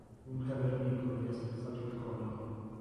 Un cavernicolo gli ha spezzato il collo.